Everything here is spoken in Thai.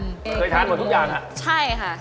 เคยทานหมดทุกอย่างฮะใช่ค่ะ